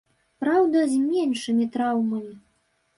Праўда, з меншымі траўмамі.